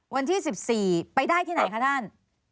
วันที่๑๔ไปได้ที่ไหนคะท่าน